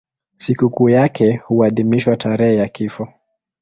Sikukuu yake huadhimishwa tarehe ya kifo.